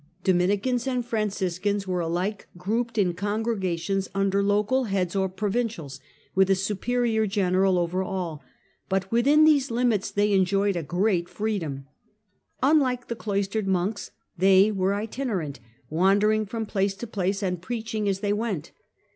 Dominicans and Franciscans were alike grouped in congregations under local heads or provincials, with a superior general over all, but within these limits they enjoyed great freedom. Unlike the cloistered monks, they were "itinerant," wandering from place to place, and preaching as they went.